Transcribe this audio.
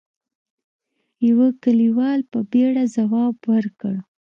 يوه کليوال په بيړه ځواب ورکړ: